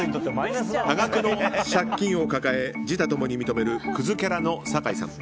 多額の借金を抱え自他共に認めるクズキャラの酒井さん。